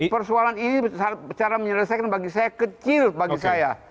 persoalan ini cara menyelesaikan bagi saya kecil bagi saya